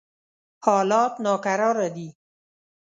حالات ناکراره دي.